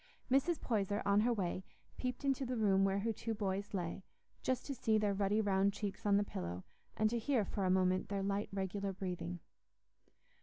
Mrs. Poyser, on her way, peeped into the room where her two boys lay; just to see their ruddy round cheeks on the pillow, and to hear for a moment their light regular breathing.